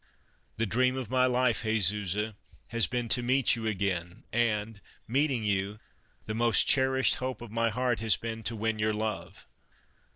" The dream of my life, Jesusa, has been to meet you again, and meeting you, the most cherished hope of my heart has been to win your love."